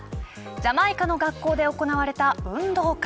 ジャマイカの学校で行われた運動会。